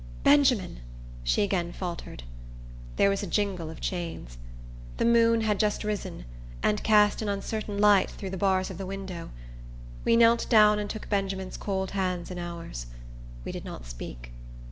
"Benjamin!" she again faltered. There was a jingle of chains. The moon had just risen, and cast an uncertain light through the bars of the window. We knelt down and took Benjamin's cold hands in ours. We did not speak.